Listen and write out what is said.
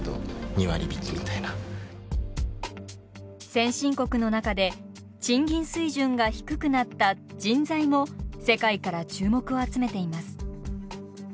先進国の中で賃金水準が低くなった人材も世界から注目を集めています。